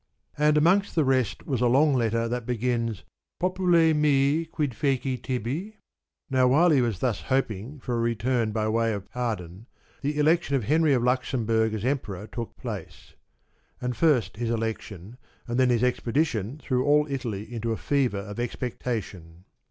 And amongst the rest was a long letter that begins : '■Popule mi quid fed tibi?^ Now while he was thus hoping for a return by way of pardon, the election of Henry of Luxemburg as Emperor took place ; and first his election, and then his expedition threw all Italy into a fever of expecta tion.